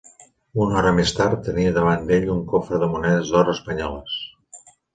Una hora més tard, tenia davant d'ell un cofre de monedes d'or espanyoles.